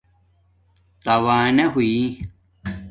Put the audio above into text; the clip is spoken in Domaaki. تاوانہ ہوئ